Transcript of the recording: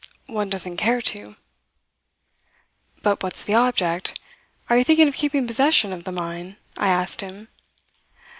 One doesn't care to. "'But what's the object? Are you thinking of keeping possession of the mine?' I asked him.